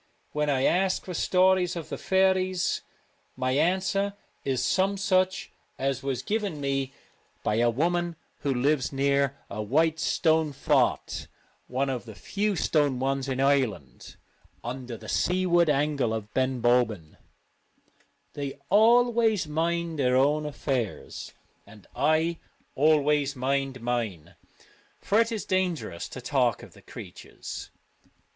158 When I ask for stories of the faeries, my Drumckff and Rosses, answer is some such as was given me by a woman who lives near a white stone fort — one of the few stone ones in Ireland — under the seaward angle of Ben Bulben : 1 They always mind their own affairs and I always mind mine :' for it is dangerous to talk of the creatures.